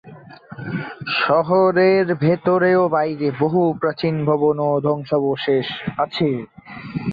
শহরের ভেতরে ও বাইরে বহু প্রাচীন ভবন ও ধ্বংসাবশেষ আছে।